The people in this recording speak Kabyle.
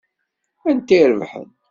Anta i irebḥen?